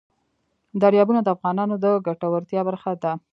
دریابونه د افغانانو د ګټورتیا برخه ده.